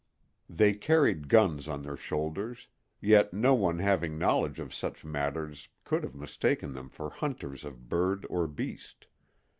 They carried guns on their shoulders, yet no one having knowledge of such matters could have mistaken them for hunters of bird or beast.